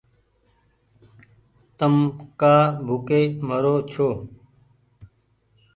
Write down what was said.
تم ڪآ ڀوڪي مرو ڇو